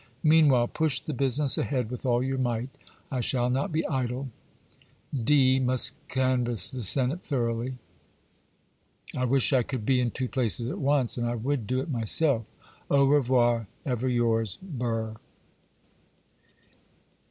'Meanwhile, push the business ahead with all your might. I shall not be idle. 'D—— must canvass the Senate thoroughly. I wish I could be in two places at once, and I would do it myself. Au revoir. 'Ever yours, 'BURR.